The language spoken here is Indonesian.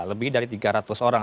lebih dari tiga ratus orang